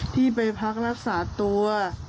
ที่ไปพักรักษาตัว